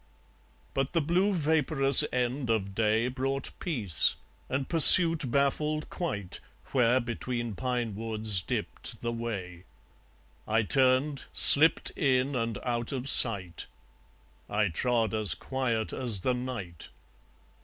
... But the blue vaporous end of day Brought peace, and pursuit baffled quite, Where between pine woods dipped the way. I turned, slipped in and out of sight. I trod as quiet as the night.